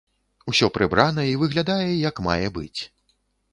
Усё прыбрана і выглядае як мае быць.